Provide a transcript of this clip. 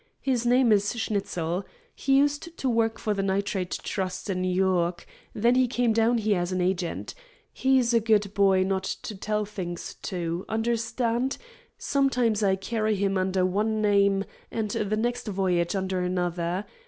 "His name is Schnitzel. He used to work for the Nitrate Trust in New York. Then he came down here as an agent. He's a good boy not to tell things to. Understand? Sometimes I carry him under one name, and the next voyage under another.